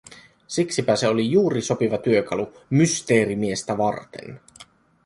Siksipä se oli juuri sopiva työkalu Mysteerimiestä varten.